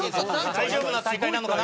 大丈夫な大会なのかな。